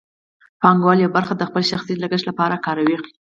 پانګوال یوه برخه د خپل شخصي لګښت لپاره کاروي